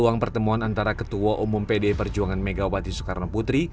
ruang pertemuan antara ketua umum pdi perjuangan megawati soekarno putri